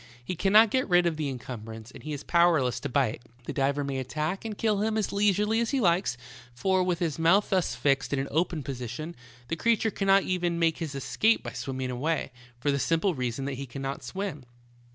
He cannot get rid of the incumbrance, a belt man's IN A shark's mouth. 69 and lie is powerless to bite ; the diver may attaek and kill him as leisurely as he likes, for, with his mouth thus fixed in an open position, the creature cannot even make his escape by swimming away, for the simple reason that he cannot swim.